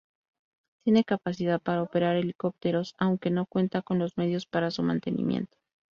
Tiene capacidad para operar helicópteros, aunque no cuenta con los medios para su mantenimiento.